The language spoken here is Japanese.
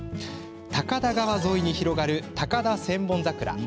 高田川沿いに広がる高田千本桜。